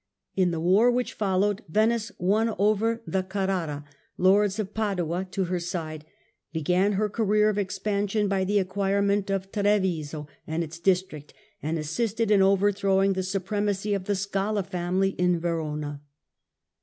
In the war which followed Venice won over the Carrara, lords of Padua, to her side, began her career of expansion by the acquirement of Treviso and its district, and assisted in overthrowing the supremacy of the Scala family in Verona.